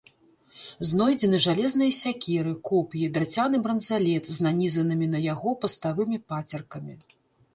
Знойдзены жалезныя сякеры, коп'і, драцяны бранзалет з нанізанымі на яго паставымі пацеркамі.